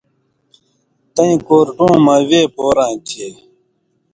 تَیں کؤرٹوں مہ وے پوراں تھی